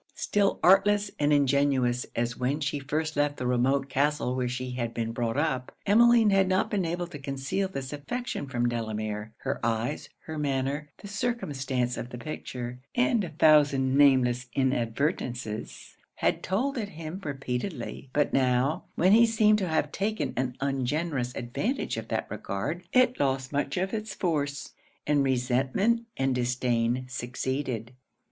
Still artless and ingenuous as when she first left the remote castle where she had been brought up, Emmeline had not been able to conceal this affection from Delamere. Her eyes, her manner, the circumstance of the picture, and a thousand nameless inadvertences, had told it him repeatedly; but now, when he seemed to have taken an ungenerous advantage of that regard, it lost much of it's force, and resentment and disdain succeeded.